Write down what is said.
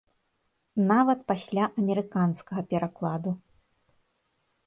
Нават пасля амерыканскага перакладу.